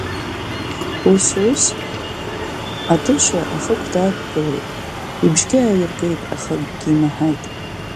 Ус-ус атыша ахықә даақәгылеит, ибжьгьы ааиргеит, аха акгьы имаҳаит.